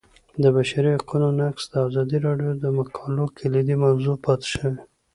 د بشري حقونو نقض د ازادي راډیو د مقالو کلیدي موضوع پاتې شوی.